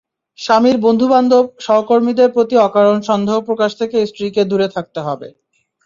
স্বামীর বন্ধুবান্ধব, সহকর্মীদের প্রতি অকারণ সন্দেহ প্রকাশ থেকে স্ত্রীকে দূরে থাকতে হবে।